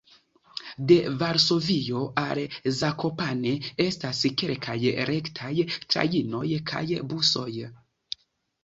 De Varsovio al Zakopane estas kelkaj rektaj trajnoj kaj busoj.